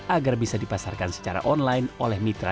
agar bisa dipasarkan secara online oleh mitra